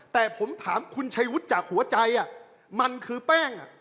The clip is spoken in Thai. แต่ผมถามคุณชัยวุฒิจากหัวใจมันคือแป้ง